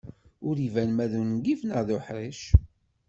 Ur iban ma d ungif neɣ d uḥric.